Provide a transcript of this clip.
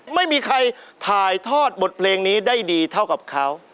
ไม่มีใครถ่ายทอดบทเพลงนี้ได้ดีเท่ากับเขา